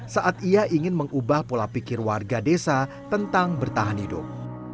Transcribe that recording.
saat ia ingin mengubah pola pikir warga desa tentang bertahan hidup